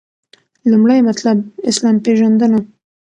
لومړی مطلب : اسلام پیژندنه